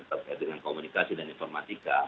terkait dengan komunikasi dan informatika